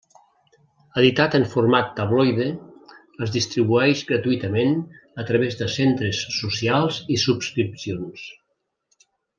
Editat en format tabloide, es distribueix gratuïtament a través de centres socials i subscripcions.